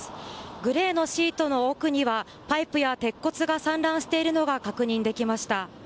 グレーのシートの奥にはパイプや鉄骨が散乱しているのが確認できました。